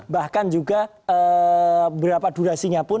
bahkan juga berapa durasinya pun